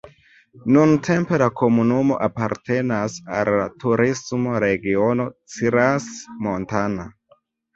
Nuntempe la komunumo apartenas al la turisma regiono Crans-Montana.